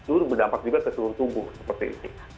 itu berdampak juga ke seluruh tubuh seperti itu